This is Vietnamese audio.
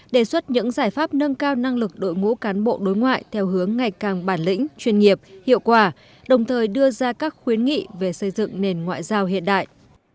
đề xuất những giải pháp nâng cao năng lực đội ngũ cán bộ đối ngoại theo hướng ngày càng bản lĩnh chuyên nghiệp hiệu quả đồng thời đưa ra các khuyến nghị về xây dựng nền ngoại giao hiện đại